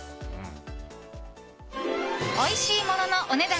おいしいもののお値段